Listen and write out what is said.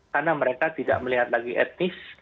karena mereka tidak melihat lagi etnis